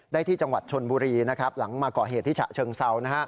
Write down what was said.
ได้ที่จังหวัดชนบุรีหลังมาเกาะเหตุที่ฉะเชิงเซา